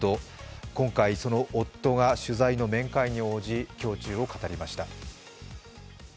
今回、その夫が取材の面会に応じ、胸中を語りました。